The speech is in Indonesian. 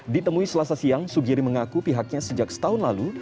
ditemui selasa siang sugiri mengaku pihaknya sejak setahun lalu